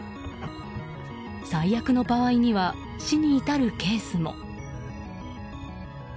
最悪の場合には死に至るケースも。